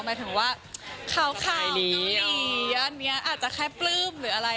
หมายถึงว่าข่าวเกาหลีย่านนี้อาจจะแค่ปลื้มหรืออะไร